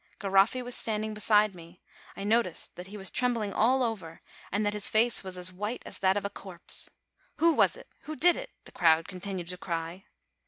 Garoffi was standing beside me. I noticed that he was trembling all over, and that his face was as white as that of a corpse. "Who was it? Who did it?" the crowd continue to cry.